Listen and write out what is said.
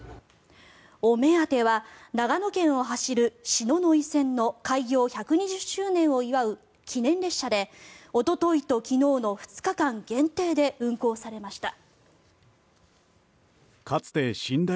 お目当ては長野県を走る篠ノ井線の開業１２０周年を祝う記念列車でおとといと昨日の２日間限定で運行されました。